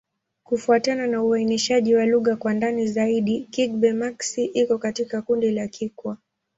Kufuatana na uainishaji wa lugha kwa ndani zaidi, Kigbe-Maxi iko katika kundi la Kikwa.